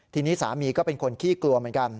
ทีนี้สามีก็เป็นคนขี้กลัวเหมือนกัน